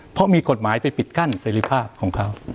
เพราะมีกฎหมายไปปิดกั้นเสรีภาพของเขา